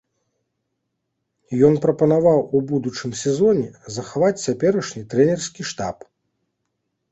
Ён прапанаваў у будучым сезоне захаваць цяперашні трэнерскі штаб.